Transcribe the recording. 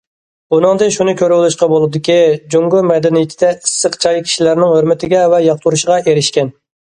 بۇنىڭدىن شۇنى كۆرۈۋېلىشقا بولىدۇكى، جۇڭگو مەدەنىيىتىدە ئىسسىق چاي كىشىلەرنىڭ ھۆرمىتىگە ۋە ياقتۇرۇشىغا ئېرىشكەن.